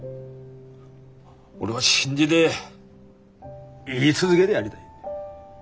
俺は信じで言い続げでやりたい。